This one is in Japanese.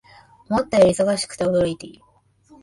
思ったより忙しくて驚いている